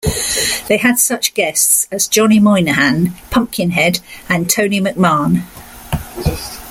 They had such guests as Johnny Moynihan, Pumpkinhead and Tony McMahon.